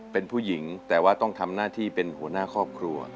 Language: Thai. เป็นผู้หญิงแต่ว่าต้องทำหน้าที่เป็นหัวหน้าครอบครัว